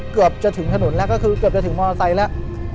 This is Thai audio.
เกือบจะถึงถนนแล้วก็คือเกือบจะถึงมอเตอร์ไซค์แล้ว